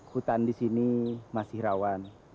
hutan di sini masih rawan